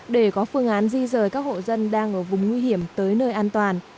để có phương án di rời các hộ dân đang ở vùng nguy hiểm tới nơi an toàn